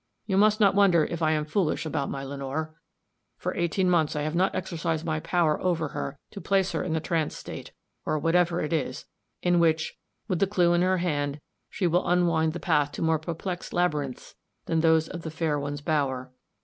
You must not wonder if I am foolish about my Lenore. For eighteen months I have not exercised my power over her to place her in the trance state, or whatever it is, in which, with the clue in her hand, she will unwind the path to more perplexed labyrinths than those of the fair one's bower.